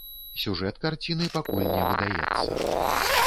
Сюжэт карціны пакуль не выдаецца.